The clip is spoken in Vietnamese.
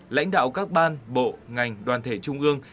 lãnh đạo các ban bộ ngành đoàn thể trung ương